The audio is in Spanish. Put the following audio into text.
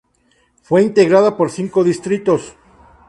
Fue integrada por cinco distritos.